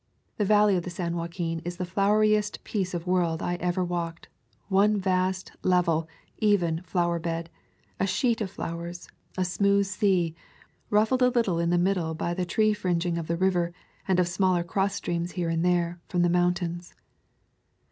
The valley of the San Joaquin is the floweriest piece of world I ever walked, one vast, level, even flower bed, a sheet of flowers, a smooth sea, ruffled a little in the middle by the tree fringing of the river and of smaller cross streams here and there, from the mountains.